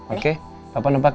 oke papa nebak ya